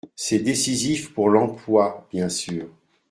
C’est décisif pour l’emploi bien sûr.